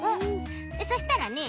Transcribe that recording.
そしたらね